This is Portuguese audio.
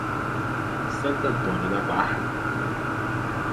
Santo Antônio da Barra